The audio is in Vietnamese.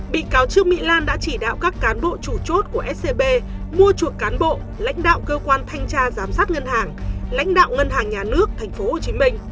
bị cáo trương mỹ lan đã chỉ đạo các cán bộ chủ chốt của scb mua chuộc cán bộ lãnh đạo cơ quan thanh tra giám sát ngân hàng lãnh đạo ngân hàng nhà nước tp hcm